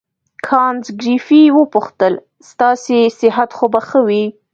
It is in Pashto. کانت ګریفي وپوښتل ستاسې صحت خو به ښه وي.